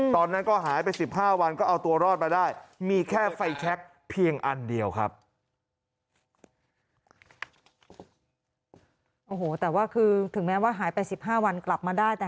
ตอนนั้นก็หายไป๑๕วันก็เอาตัวรอดมาได้มีแค่ไฟแชคเพียงอันเดียวครับ